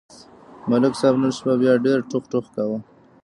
ملک صاحب نن شپه بیا ډېر ټوخ ټوخ کاوه.